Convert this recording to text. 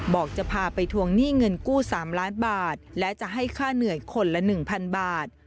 บอกจะพาไปทวงหนี้เงินกู้๓ล้านบาทและจะให้ค่าเหนื่อยคนละ๑๐๐๐บาท